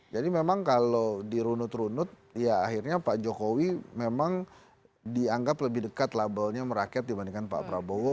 jadi memang kalau dirunut runut ya akhirnya pak jokowi memang dianggap lebih dekat labelnya merakyat dibandingkan pak prabowo